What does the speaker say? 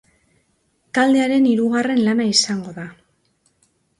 Taldearen hirugarren lana izango da.